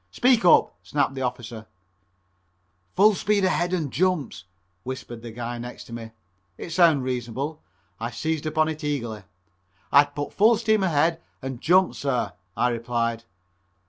"Speak up!" snapped the officer. "Full speed ahead and jumps," whispered a guy next to me. It sounded reasonable. I seized upon it eagerly. "I'd put full steam ahead and jump, sir," I replied.